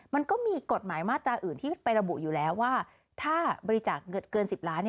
มันก็มีกฎหมายมาตราอื่นที่ไประบุอยู่แล้วว่าถ้าบริจาคเงินเกิน๑๐ล้าน